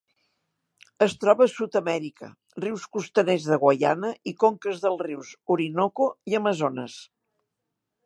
Es troba a Sud-amèrica: rius costaners de Guaiana i conques dels rius Orinoco i Amazones.